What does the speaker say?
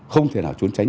không thể nào trốn tránh